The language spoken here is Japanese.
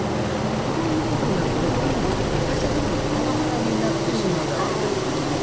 こういうことになるとこれはもう会社ぐるみのパワハラになってしまうだろうと思うし。